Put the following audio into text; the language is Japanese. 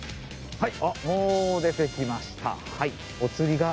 はい。